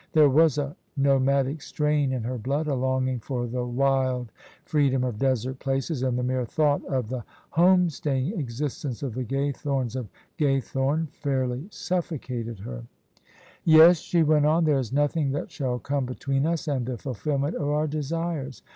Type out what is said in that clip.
There was a nomadic strain in her blood — z, longing for the wild free dom of desert places — ^and the mere thought of the home staying existence of the Ga3rthomes of Gajrthome fairly suffocated her. " Yes," she went on, " there is nothing that shall come between us and the fulfilment of our desires.